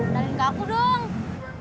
dariin ke aku dong